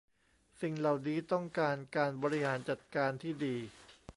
สิ่งเหล่านี้ต้องการการบริหารจัดการที่ดี